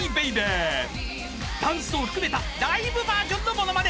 ［ダンスを含めたライブバージョンのモノマネ